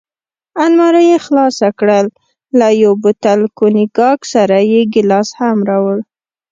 المارۍ یې خلاصه کړل، له یو بوتل کونیګاک سره یې ګیلاس هم راوړ.